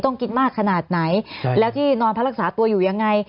กินมากขนาดไหนแล้วที่นอนพักรักษาตัวอยู่ยังไง